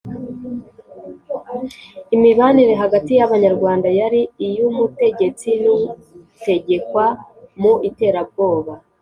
imibanire hagati y'abanyarwanda yari iy' umutegetsi n' utegekwa mu iterabwoba,